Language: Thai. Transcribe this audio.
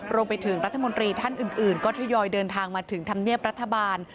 รวมไปถึงรัฐมนตรีท่านอื่นก็ทยอยเดินทางมาถึงธรรมเนียบรัฐบาล